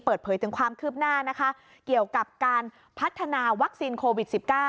เปิดเผยถึงความคืบหน้านะคะเกี่ยวกับการพัฒนาวัคซีนโควิด๑๙